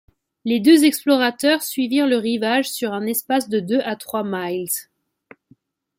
Les deux explorateurs suivirent le rivage sur un espace de deux à trois milles.